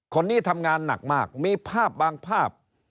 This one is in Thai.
คนนี้ทำงานหนักมากมีภาพบางภาพ